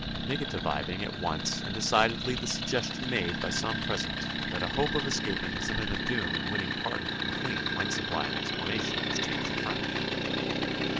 negativing at once and decidedly the suggestion made by some one present that a hope of escaping his imminent doom and winning pardon from the Queen might supply an explanation of his change of front.